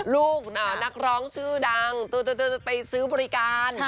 ลูกนักร้องชื่อดังไปซื้อบริการ